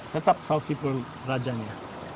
tetap salsi pun rajanya